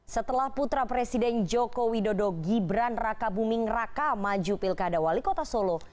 setelah putra presiden joko widodo gibran raka buming raka maju pilkada wali kota solo